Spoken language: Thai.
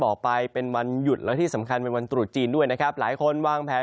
ออกไปเป็นวันหยุดและที่สำคัญเป็นวันตรุษจีนด้วยนะครับหลายคนวางแผน